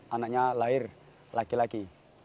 anaknya lahir lagi lagi